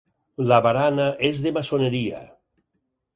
La barana és de maçoneria.